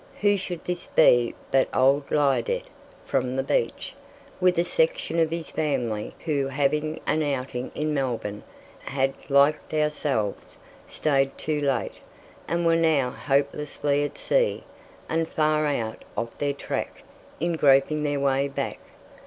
Who should this be but old Liardet from The Beach, with a section of his family, who, having an outing in Melbourne, had, like ourselves, stayed too late, and were now hopelessly at sea, and far out of their track in groping their way back.